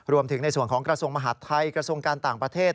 รวมถึงในส่วนของกระทรวงมหาดไทยกระทรวงการต่างประเทศ